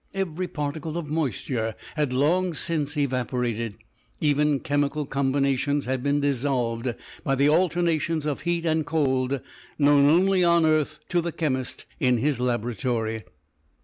Every particle of moisture had long since evaporated; even chemical combinations had been dissolved by the alternations of heat and cold known only on earth to the chemist in his laboratory.